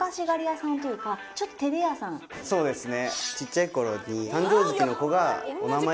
そうですね。